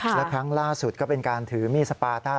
และครั้งล่าสุดก็เป็นการถือมีดสปาต้า